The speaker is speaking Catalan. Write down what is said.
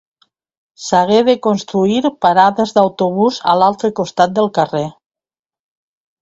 S'hagué de construir parades d'autobús a l'altre costat del carrer.